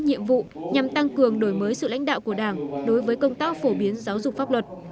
nhiệm vụ nhằm tăng cường đổi mới sự lãnh đạo của đảng đối với công tác phổ biến giáo dục pháp luật